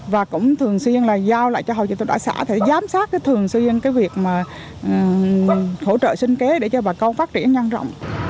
và cũng thường xuyên là giao lại cho hội chữ thập đỏ xã để giám sát thường xuyên cái việc mà hỗ trợ sinh kế để cho bà con phát triển nhân rộng